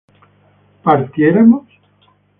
¿partiéramos?